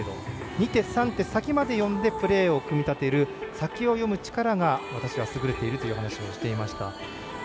２手、３手先までプレーを読んでプレーを組み立てる先を読む力が私は優れているという話をしていました。